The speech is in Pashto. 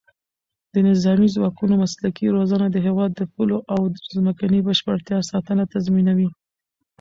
د نظامي ځواکونو مسلکي روزنه د هېواد د پولو او ځمکنۍ بشپړتیا ساتنه تضمینوي.